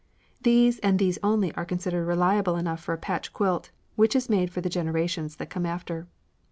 These and these only are considered reliable enough for a patch quilt, which is made for the generations that come after.